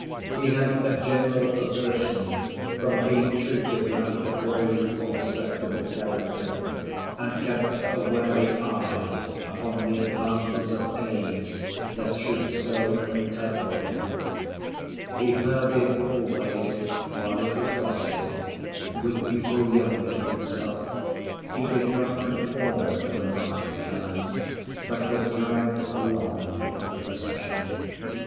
He had a general aversion from being treated like a grave or respectable character, and kept a wary eye upon the advances of age that should so entitle him. He herded always, while it was possible, with people younger than himself. He did not conform to the march of time, but was dragged along in the procession.